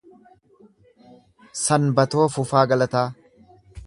Sanbatoo Fufaa Galataa